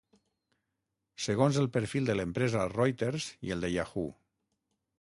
Segons el perfil de l'empresa Reuters i el de Yahoo!